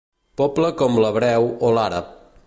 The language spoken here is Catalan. Poble com l'hebreu o l'àrab.